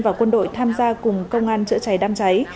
và quân đội tham gia cùng công an chữa cháy đám cháy